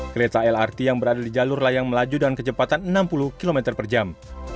kereta lrt yang berada di jalur layang melaju dengan kecepatan enam puluh km per jam